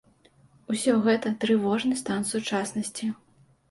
Усё гэта трывожны стан сучаснасці.